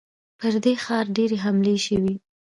پر دې ښار ډېرې حملې شوي.